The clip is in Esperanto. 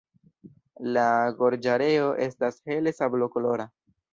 La gorĝareo estas hele sablokolora.